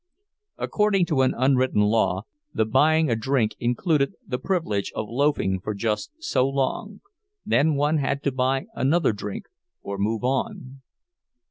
According to an unwritten law, the buying a drink included the privilege of loafing for just so long; then one had to buy another drink or move on.